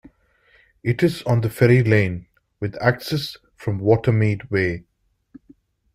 It is on Ferry Lane, with access from Watermead Way.